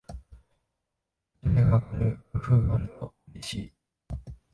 モチベが上がる工夫があるとうれしい